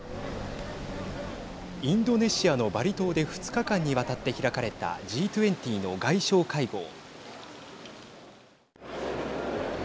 インドネシアのバリ島で２日間にわたって開かれたＧ２０の外相会合。